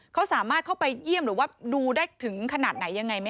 เขาสามารถเข้าไปเยี่ยมหรือว่าดูได้ถึงขนาดไหนยังไงไหมค